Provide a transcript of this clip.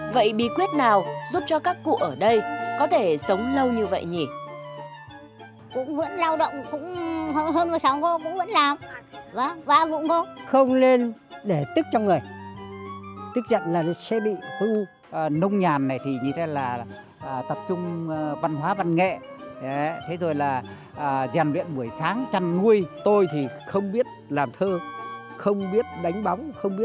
vậy bí quyết nào giúp cho các cụ ở đây có thể sống lâu như vậy nhỉ